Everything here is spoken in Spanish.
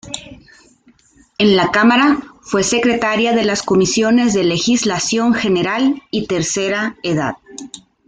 En la cámara, fue secretaria de las comisiones de legislación general y tercera edad.